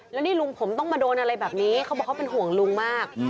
แล้วนี่ลุงผมต้องมาโดนอะไรแบบนี้เขาบอกเขาเป็นห่วงลุงมาก